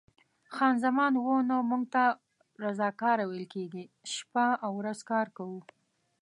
خان زمان: اوه، نه، موږ ته رضاکاره ویل کېږي، شپه او ورځ کار کوو.